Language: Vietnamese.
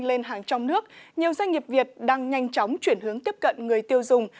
lên hàng trong nước nhiều doanh nghiệp việt đang nhanh chóng chuyển hướng tiếp cận người tiêu dùng